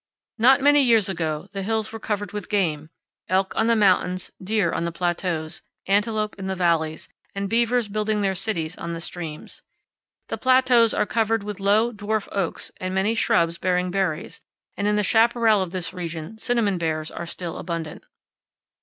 Not many years ago the hills were covered with game elk on the mountains, deer on the plateaus, antelope in the valleys, and beavers building their cities on the streams. The plateaus are covered with low, dwarf oaks and many shrubs bearing berries, and in the chaparral of this region cinnamon bears are still abundant.